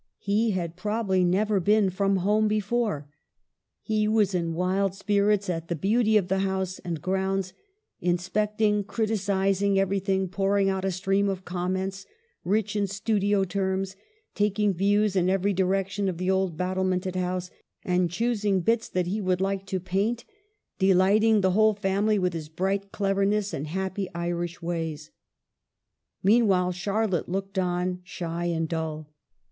He had prob ably never been from home before. He was in wild spirits at the beauty of the house and grounds, inspecting, criticising everything, pour ing out a stream of comments, rich in studio terms, taking views in every direction of the old battlemented house, and choosing "bits" that 64 EMILY BRONTE. he would like to paint, delighting the whole family with his bright cleverness and happy Irish ways. Meanwhile Charlotte looked on, shy and dull.